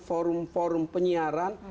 kita bisa melakukan